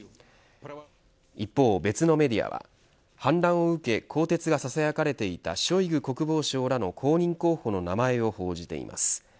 一方、別のメディアは反乱を受け更迭がささやかれていたショイグ国防相らの後任候補の名前を報じています。